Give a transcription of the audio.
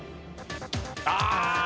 ああ！